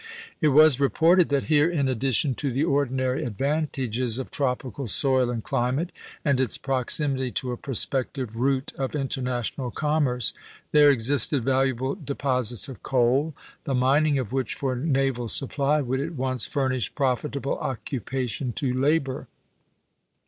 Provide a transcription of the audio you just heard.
It was reported that here, in addition to the ordinary advantages of tropical soil and climate, and its proximity to a prospective route of international commerce, there existed valuable de posits of coal, the mining of which for naval supply would at once furnish profitable occupation to labor.